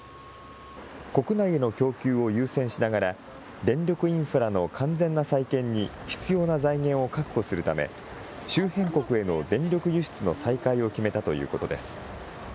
国内への供給を優先しながら、電力インフラの完全な再建に必要な財源を確保するため周辺国への電力輸出の再開を決めたということです。